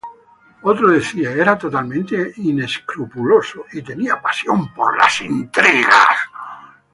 Otro decía: ""era totalmente inescrupuloso y tenía pasión por las intrigas"".